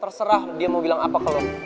terserah dia mau bilang apa ke lo